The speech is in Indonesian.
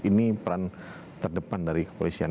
ini peran terdepan dari kepolisian